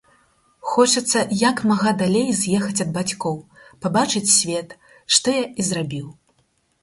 Хочацца як мага далей з'ехаць ад бацькоў, пабачыць свет, што я і зрабіў.